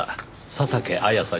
佐竹綾さん？